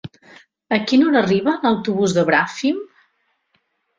A quina hora arriba l'autobús de Bràfim?